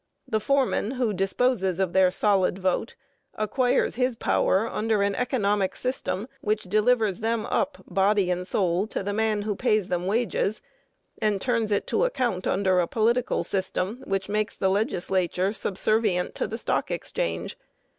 The foreman who disposes of their solid vote acquires his power under an economic system which delivers them up, body and soul, to the man who pays them wages, and turns it to account under a political system which makes the legislature subservient to the stock exchange.